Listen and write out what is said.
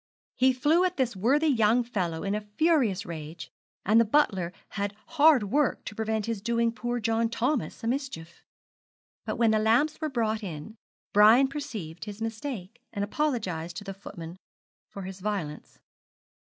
He flew at the worthy young fellow in a furious rage, and the butler had hard work to prevent his doing poor John Thomas a mischief. But when the lamps were brought in, Brian perceived his mistake, and apologised to the footman for his violence.